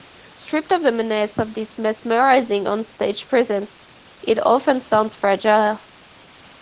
Stripped of the menace of his mesmerising onstage presence, it often sounds fragile.